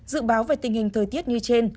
dự báo về tình hình thời tiết như trên